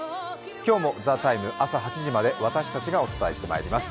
今日も「ＴＨＥＴＩＭＥ，」朝８時まで私たちがお伝えしていきます。